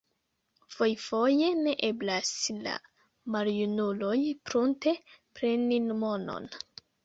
Fojfoje ne eblas al maljunuloj prunte preni monon.